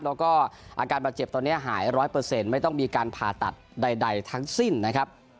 แล้วก็อาการบาดเจ็บตอนนี้หาย๑๐๐ไม่ต้องมีการผ่าตัดใดทั้งสิ้นนะครับ